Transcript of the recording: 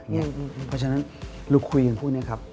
เพราะฉะนั้นเราคุยกันพวกนี้ครับ